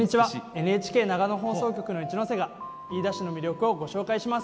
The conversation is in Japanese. ＮＨＫ長野放送局の市瀬が飯田市の魅力をお伝えします。